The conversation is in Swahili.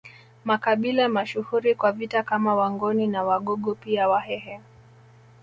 Makabila mashuhuri kwa vita kama Wangoni na Wagogo pia Wahehe